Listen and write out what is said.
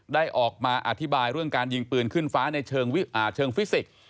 ได้ออกมาอธิบายเรื่องการยิงปืนขึ้นฟ้าในเชิงฟิสิกส์